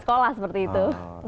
sekolah seperti itu